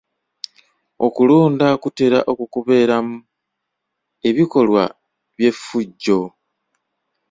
Okulonda kutera okubeeramu ebikolwa by'effujjo.